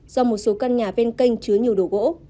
do một số căn nhà ven kênh chứa nhiều đồ gỗ